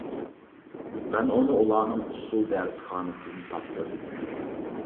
مەن ئۇنى ئۇلارنىڭ ئۇسسۇل دەرسخانىسىدىن تاپتىم.